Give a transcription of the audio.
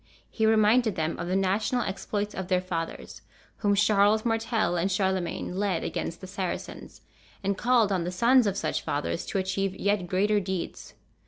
He reminded them of the national exploits of their fathers, whom Charles Martel and Charlemagne led against the Saracens, and called on the sons of such fathers to achieve yet greater deeds.